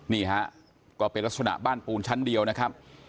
นี่ฮะก็เป็นลักษณะบ้านปูนชั้นเดียวนะครับ